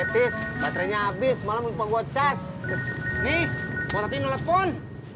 dietis baterainya habis malam lupa gua cek nih mau teteh telepon